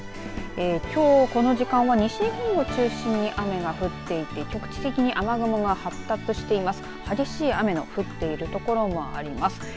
きょうこの時間は西日本を中心に雨が降っていて局地的に雨雲が発達しています。